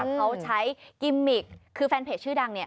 เขาใช้กิมมิกคือแฟนเพจชื่อดังเนี่ย